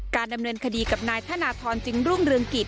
การดำเนินคดีกับนายธนธรรมจึงร่วงเรืองกฤทธิ์